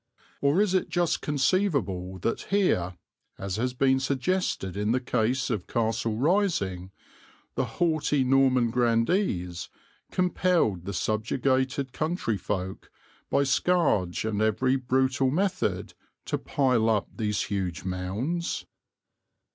Or is it just conceivable that here, as has been suggested in the case of Castle Rising, the haughty Norman grandees compelled the subjugated country folk, by scourge and every brutal method, to pile up these huge mounds?